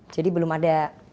jadi belum ada